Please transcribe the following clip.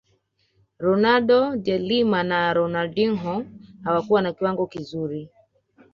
ronaldo de Lima na Ronaldinho hawakuwa na kiwango kizuri